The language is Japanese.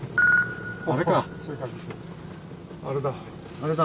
あれだ。